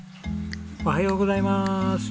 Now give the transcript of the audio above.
おはようございます！